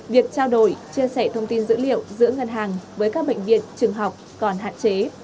việc trao đổi chia sẻ thông tin dữ liệu giữa ngân hàng với các bệnh viện trường học còn hạn chế